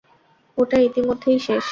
ওটা ইতিমধ্যেই শেষ?